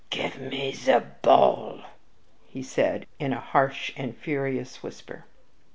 "Give me ze ball!" he said, in a harsh and furious whisper.